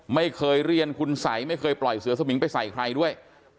ไม่เคยเรียนคุณสัยไม่เคยปล่อยเสือสมิงไปใส่ใครด้วย